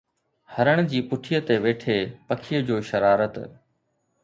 هرڻ جي پٺيءَ تي ويٺي پکيءَ جو شرارت